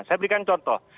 saya berikan contoh